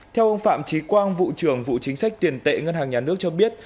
theo ông phạm trí quang vụ trưởng vụ chính sách tiền tệ ngân hàng nhà nước cho biết